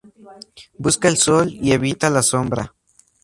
Busca el sol y evita la sombra.